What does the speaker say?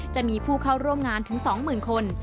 จะมีผู้เขาร่วมงานถึง๒หมื่นคน